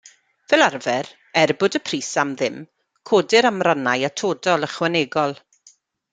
Fel arfer, er bod y pris am ddim, codir am rannau atodol, ychwanegol.